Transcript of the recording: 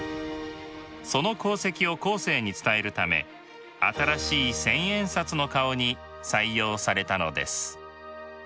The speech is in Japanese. その功績を後世に伝えるため新しい千円札の顔に採用されたのです。